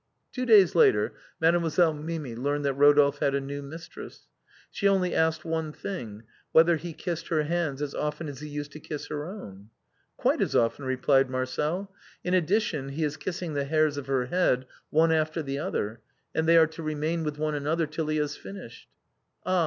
Two days later Mademoiselle Mimi learned that Eo dolphe had a new mistress. She only asked one thing — whether he kissed her hands as often as he used to kiss her own? " Quite as often," replied Marcel. " In addition, he is kissing the hairs of her head one after the other, and they are to remain with one another till he has finished." " Ah